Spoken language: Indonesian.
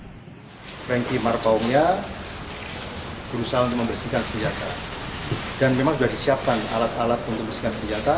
dan memang sudah disiapkan alat alat untuk mengembuskan senjata